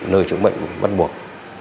nơi chủ mệnh bắt buộc